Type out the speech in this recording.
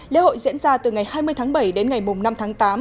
lễ hội diễn ra từ ngày hai mươi tháng bảy đến ngày năm tháng tám